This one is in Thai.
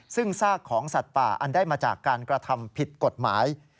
ซึ่งซากของสัตว์ป่าอันได้มาจากการกระทำผิดกฎหมาย